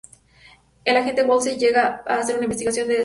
El agente Woolsey llega para hacer una investigación de esta última misión.